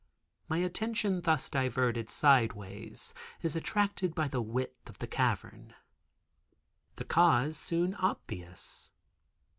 My attention thus diverted sideways is attracted by the width of the cavern. The cause soon obvious.